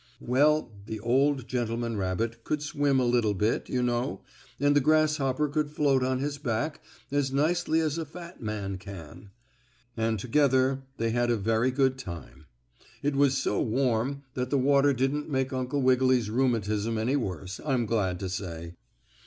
Well, the old gentleman rabbit could swim a little bit, you know, and the grasshopper could float on his back as nicely as a fat man can, and together they had a very good time. It was so warm that the water didn't make Uncle Wiggily's rheumatism any worse, I'm glad to say.